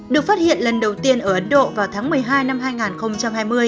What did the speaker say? được phát hiện lần đầu tiên ở ấn độ vào tháng một mươi hai năm hai nghìn hai mươi